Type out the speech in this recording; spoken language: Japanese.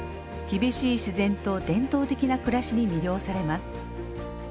厳しい自然と伝統的な暮らしに魅了されます。